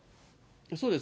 そうです。